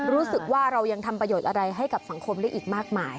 รู้สึกว่าเรายังทำประโยชน์อะไรให้กับสังคมได้อีกมากมาย